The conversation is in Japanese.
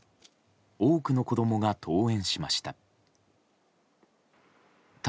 多くの子供が登園しました。